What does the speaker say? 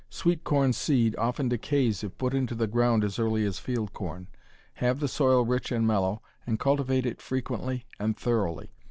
Sweet corn seed often decays if put into the ground as early as field corn. Have the soil rich and mellow, and cultivate frequently and thoroughly.